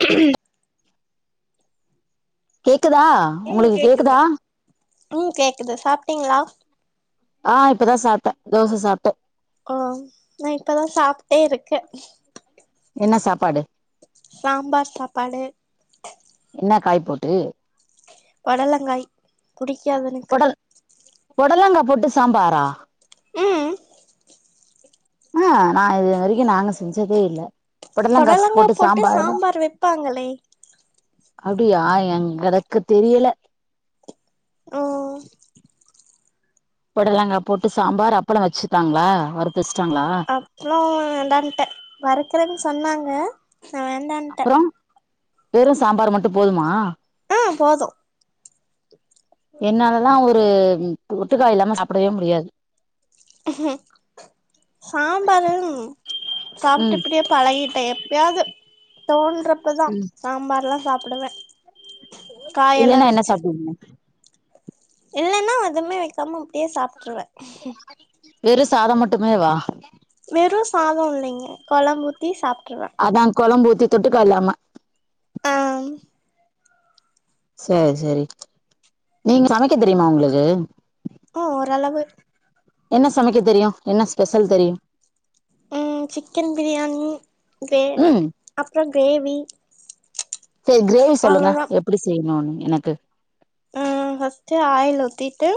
[unintelligible] கேக்குதா ஏ உங்களுக்கு கேக்குது கேக்குதா ம் கேக்குது சாப்ட்டீங்களா ஆ இப்பதா சாப்ட தோச சாப்டோ ஒ நா இப்பதா சாப்ட்டே இருக்க என்ன சாப்பாடு சாம்பார் சாப்பாடு என்ன காய் போட்டு பொடலங்காய் புடிக்காது எனக்கு பொடல் பொடலங்கா போட்டு சாம்பாரா ம் ஆ நா இது வரைக்கோ நாங்க செஞ்சதே இல்ல பொடலங்கா போட்டு சாம்பார் வெப்பாங்களே அப்டியா எங்களக்கு தெரியல ஓ பொடலங்கா போட்டு சாம்பார் அப்பளோ வச்சுட்டாங்ளா வற்த்வெச்ட்டாங்ளா அப்புளோ வேண்டான்டே வற்க்றேன் சொன்னாங்க நா வேண்டான்ட்டே அப்பற வெறு சாம்பார் மட்டு போதுமா ஆ போது என்னாலதா ஒரு ஒட்டுக்கா இல்லாம சாப்டவே முடியாது சாம்பாரு சாப்ட்டு ம் இப்டியப் பழகிட்டே எப்பயாது தோன்றப்பதா ம் சாம்பார்லா சாப்புடுவ இல்லேனா என்ன சாப் இல்லேன்னா அதுவுமே வெக்காம அப்டியே சாப்ட்ருவ வெறு சாத மட்டுமே வா வெறு சாதோ இல்லைங்க குழம்பூத்தி சாப்ட்ருவ அதா கொழம்பு ஊத்தி தொட்டுக்கல்லாம ஆ செர் செரி நீங்க சமைக்க தெரியுமா உங்ளுக்கு உ ஓரளவு என்ன சமைக்க தெரியு என்ன ஸ்பெஷல் தெரியு ம் சிக்கன் பிரியாணி கிரேவ் ம் அப்புற கிரேவி செரி கிரேவி சொல்லுங்க அவ்ளோதா எப்டி செய்ணுன் எனக்கு பஸ்டு ஆயில் ஊத்திட்டு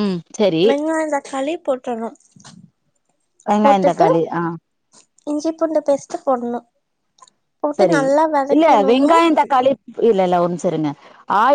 ம் சரி வெங்காய தக்காளி போட்றணு வெங்காய போட்டுட்டு தக்காளி ஆ இஞ்சி பூண்டு பேஸ்டு போட்ணு போட்டு செரி நல்லா இல்ல வதக்கிடணு வெங்காய தக்காளி இல்ல இல்ல ஒர் நிமிஷ இருங்க ஆயி